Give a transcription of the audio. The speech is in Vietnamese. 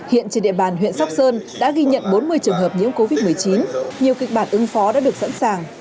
hiện trên địa bàn huyện sóc sơn đã ghi nhận bốn mươi trường hợp nhiễm covid một mươi chín nhiều kịch bản ứng phó đã được sẵn sàng